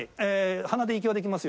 鼻で息はできますよ。